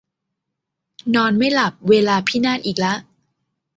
นอนไม่หลับ เวลาพินาศอีกละ